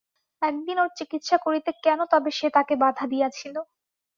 একদিন ওর চিকিৎসা করিতে কেন তবে সে তাকে বাঁধা দিয়াছিল?